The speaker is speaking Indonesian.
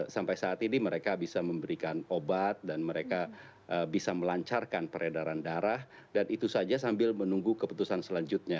sampai saat ini mereka bisa memberikan obat dan mereka bisa melancarkan peredaran darah dan itu saja sambil menunggu keputusan selanjutnya